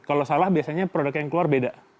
kalau salah biasanya produk yang keluar beda